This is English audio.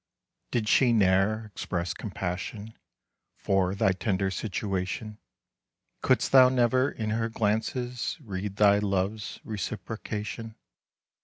"Did she ne'er express compassion For thy tender situation? Could'st thou never in her glances Read thy love's reciprocation?